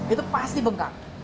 itu pasti bengkak